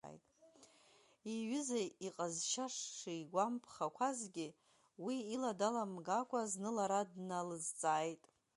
Иҩыза иҟазшьа шигәамԥхақәазгьы, уи ила даламгакәа, зны лара дналызҵааит.